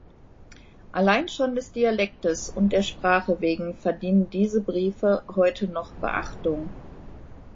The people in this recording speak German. Allein schon des Dialektes und der Sprache wegen verdienen diese "Briefe" heute noch Beachtung.